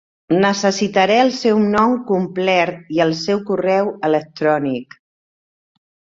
Necessitaré el seu nom complert i el seu correu electrònic.